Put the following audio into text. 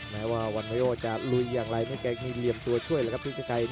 แม้ว่าวันวัยโอจะลุยอย่างไรไม่แกล้งมีเหลี่ยมตัวช่วยเลยครับพี่ชิคกี้พาย